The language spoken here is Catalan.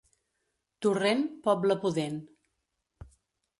Torrent, poble pudent.